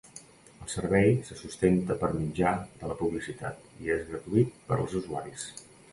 El servei se sustenta per mitjà de la publicitat i és gratuït per als usuaris.